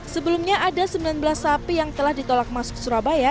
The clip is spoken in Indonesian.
sebelumnya ada sembilan belas sapi yang telah ditolak masuk surabaya